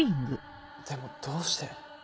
でもどうして？